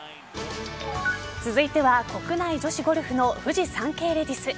続いては国内女子ゴルフのフジサンケイレディス。